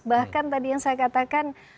bahkan tadi yang saya katakan